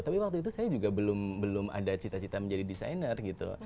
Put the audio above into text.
tapi waktu itu saya juga belum ada cita cita menjadi desainer gitu